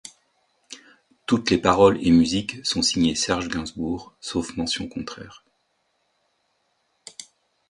Toutes les paroles et musique sont signés Serge Gainsbourg, sauf mention contraire.